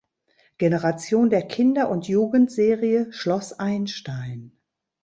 Generation der Kinder- und Jugendserie "Schloss Einstein".